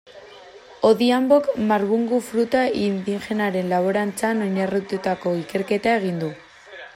Odhiambok marbungu fruta indigenaren laborantzan oinarritututako ikerketa egin du.